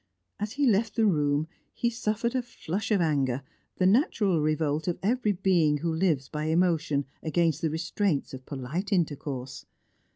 As he left the room he suffered a flush of anger, the natural revolt of every being who lives by emotion against the restraints of polite intercourse.